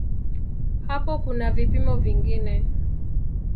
Hapo kuna vipimo vingine.